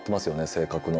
性格の。